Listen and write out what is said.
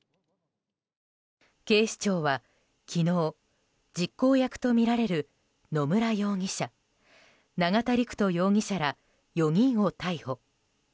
警視庁は昨日、実行役とみられる野村容疑者、永田陸人容疑者ら４人を逮捕。